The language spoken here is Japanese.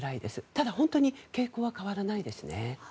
ただ、本当に傾向は変わらないですね。